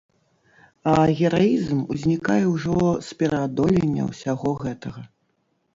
А гераізм узнікае ўжо з пераадолення ўсяго гэтага.